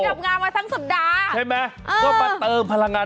จำงานมาทั้งสัปดาห์ก็เปิดเติมพลังงาน